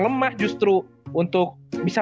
lemah justru untuk bisa